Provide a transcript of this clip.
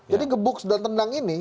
jadi gebuk dan tendang ini